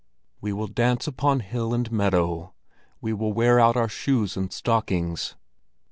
"We will dance upon hill and meadow, We will wear out our shoes and stockings.